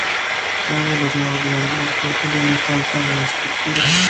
Uno de los nuevos miembros fue Julián Infante, ex Tequila.